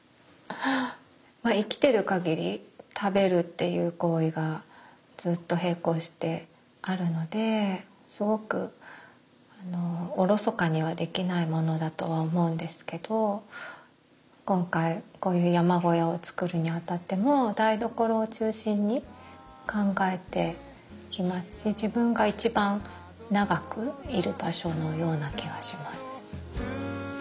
生きてるかぎり食べるっていう行為がずっと並行してあるのですごくおろそかにはできないものだとは思うんですけど今回こういう山小屋を作るにあたっても台所を中心に考えていますし自分が一番長くいる場所のような気がします。